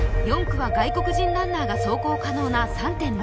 ４区は外国人ランナーが走行可能な３．６ｋｍ。